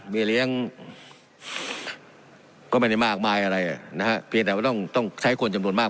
เลี้ยงก็ไม่ได้มากมายอะไรนะฮะเพียงแต่ว่าต้องต้องใช้คนจำนวนมาก